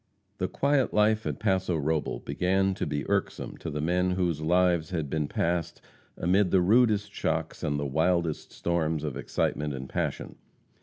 The quiet life at Paso Robel began to be irksome to the men whose lives had been passed amid the rudest shocks and the wildest storms of excitement and passion.